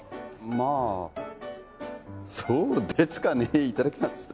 まあそうですかねいただきます